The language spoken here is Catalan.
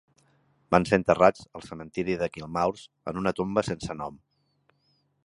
Van ser enterrats al cementiri de Kilmaurs en una tomba sense nom.